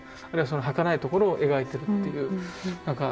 あるいはそのはかないところを描いてるっていう。